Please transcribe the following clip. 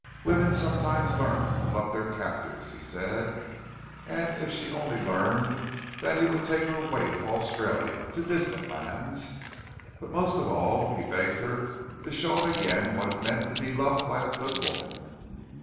Women sometimes learned to love their captors, he said; and if she only learned, then he would take her away to Australia, to distant lands. But most of all he begged her to show him again what it meant to be loved by a good woman.